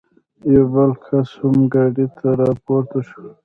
یو بل کس هم ګاډۍ ته را پورته شو.